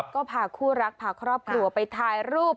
ก็พาคู่รักพาครอบครัวไปถ่ายรูป